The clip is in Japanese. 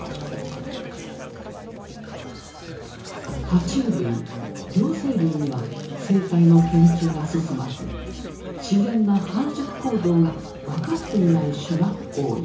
は虫類両生類には生態の研究が進まず自然な繁殖行動が分かっていない種が多い。